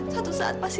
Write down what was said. satu saat pasti